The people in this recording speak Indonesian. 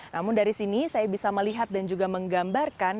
namun dari sini saya bisa melihat dan juga menggambarkan